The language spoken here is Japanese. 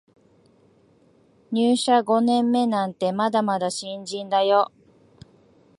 入社五年目なんてまだまだ新人だよ